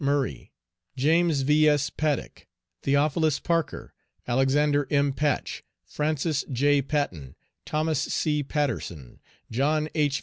Murray, James V. S. Paddock, Theophilus Parker, Alexander M. Patch, Francis J. Patten, Thomas C. Patterson, John H.